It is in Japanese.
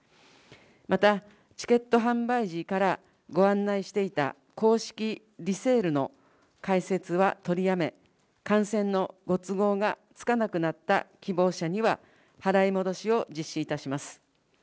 また、チケット販売時からご案内していた公式リセールの開設は取りやめ、観戦のご都合がつかなくなった希望者には、払い戻しを実施いたします。